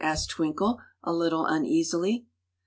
asked Twinkle, a little uneasily.